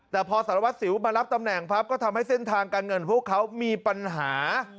แต่พอสารวัสสิวมารับตำแหน่งปั๊บก็ทำให้เส้นทางการเงินพวกเขามีปัญหา